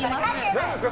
何ですか？